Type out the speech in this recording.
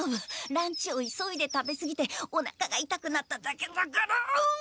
ランチを急いで食べすぎておなかがいたくなっただけだからうっ！